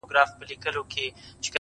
سوځوي چي زړه د وينو په اوبو کي